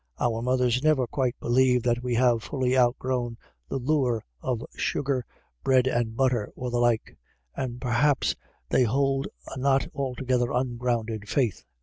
Our mothers never quite believe that we have fully outgrown the lure of sugared bread and butter, or the like ; and perhaps they hold a not altogether ungrounded faith.